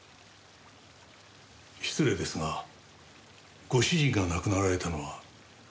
失礼ですがご主人が亡くなられたのはどのような？